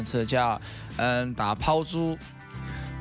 ชื่อว่าเอิ้นด่าพาวจู๊